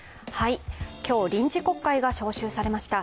今日臨時国会が召集されました。